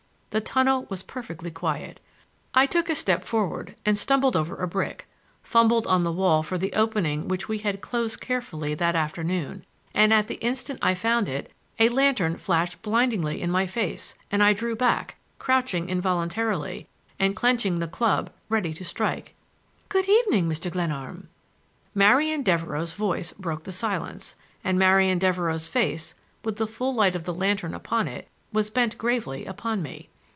The tunnel was perfectly quiet. I took a step forward and stumbled over a brick, fumbled on the wall for the opening which we had closed carefully that afternoon, and at the instant I found it a lantern flashed blindingly in my face and I drew back, crouching involuntarily, and clenching the club ready to strike. "Good evening, Mr. Glenarm!" Marian Devereux's voice broke the silence, and Marian Devereux's face, with the full light of the lantern upon it, was bent gravely upon me.